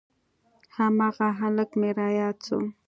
هماغه هلک مې راياد سو.